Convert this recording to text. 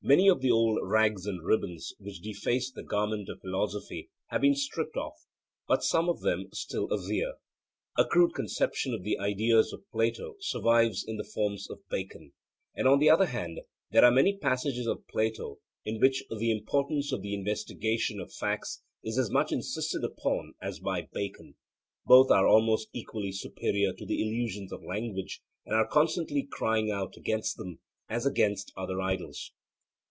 Many of the old rags and ribbons which defaced the garment of philosophy have been stripped off, but some of them still adhere. A crude conception of the ideas of Plato survives in the 'forms' of Bacon. And on the other hand, there are many passages of Plato in which the importance of the investigation of facts is as much insisted upon as by Bacon. Both are almost equally superior to the illusions of language, and are constantly crying out against them, as against other idols.